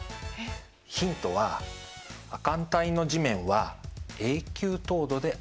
ヒントは亜寒帯の地面は永久凍土であるということです。